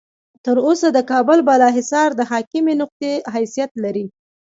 تر اوسه د کابل بالا حصار د حاکمې نقطې حیثیت لري.